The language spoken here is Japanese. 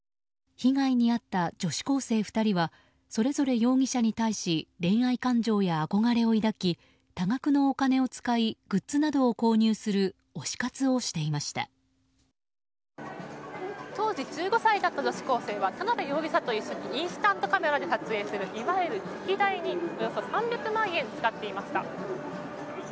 被害に遭った女子高生２人はそれぞれ容疑者に対し恋愛感情や憧れを抱き多額のお金を使いグッズなどを購入する当時１５歳だった女子高生は田辺容疑者と一緒にインスタントカメラで撮影するいわゆるチェキ代におよそ３００万円使っていました。